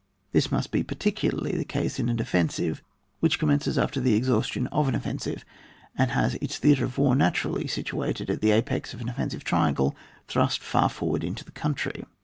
This must be particularly the case in a defensive, which commences after the exhaustion of em offensive, and has its theatre of war usually situated at the apex of an offensive triangle thrust far forward into the country.